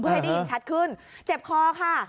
ให้ได้ยินชัดขึ้นเจ็บคอค่ะ